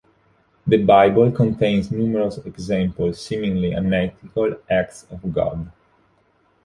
The Bible contains numerous examples seemingly unethical acts of God.